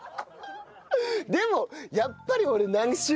でもやっぱり俺。